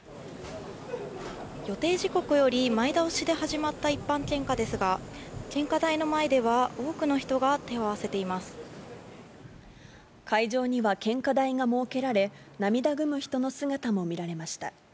予定時刻より前倒しで始まった一般献花ですが、献花台の前では、多くの人が手を合わせていま会場には、献花台が設けられ、涙ぐむ人の姿も見られました。